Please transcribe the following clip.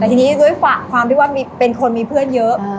แต่ทีนี้ด้วยความที่ว่าเป็นคนมีเพื่อนเยอะ